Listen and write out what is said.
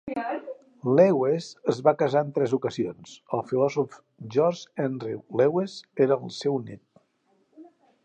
Lewes es va casar en tres ocasions; el filòsof George Henry Lewes era el seu nét.